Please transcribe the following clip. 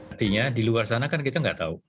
artinya di luar sana kan kita nggak tahu